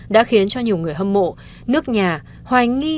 đã khiến cho nhiều người hâm mộ nước nhà hoài nghi